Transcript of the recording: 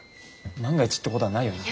万が一ってことはないよな？